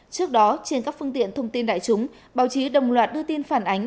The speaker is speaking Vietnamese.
trước đó trên các phương tiện thông tin đại chúng báo chí đồng loạt đưa tin phản ánh